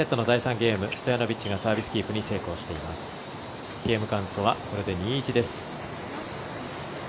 ゲームカウントは２−１です。